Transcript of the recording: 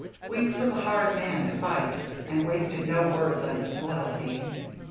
Weeks was a hard man to fight, and wasted no words on disloyalty.